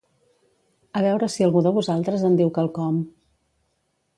A veure si algú de vosaltres en diu quelcom.